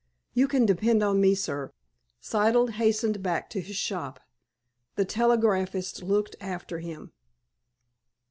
"You can depend on me, sir." Siddle hastened back to his shop. The telegraphist looked after him.